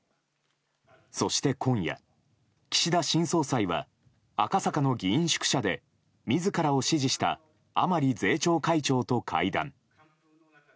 そして今夜、岸田新総裁は赤坂の議員宿舎で自らを支持した甘利税調会長と会談。